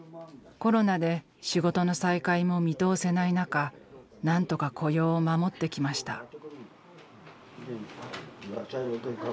コロナで仕事の再開も見通せない中なんとか雇用を守ってきました。